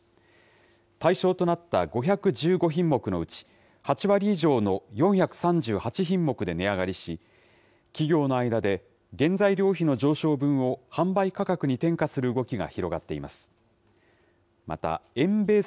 対象となった５１５品目のうち、８割以上の４３８品目で値上がりし、企業の間で原材料費の上昇分を販売価格に転嫁する動きが広がっています。